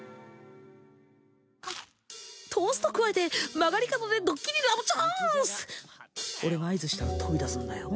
トーストくわえて曲がり角でドッキリラブチャンス俺が合図したら飛び出すんだよ